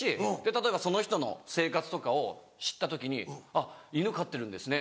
例えばその人の生活とかを知った時に「犬飼ってるんですね！